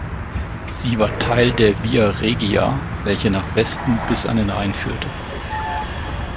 Sie war Teil der Via Regia, welche nach Westen bis an den Rhein führte.